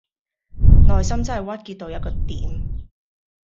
內心真係鬱結到一個點